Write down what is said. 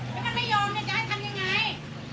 แล้วมันไม่ยอมเนี่ยจะให้ทำยังไง